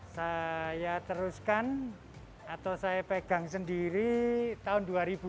saya teruskan atau saya pegang sendiri tahun dua ribu